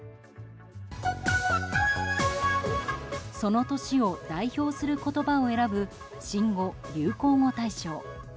その年を代表する言葉を選ぶ新語・流行語大賞。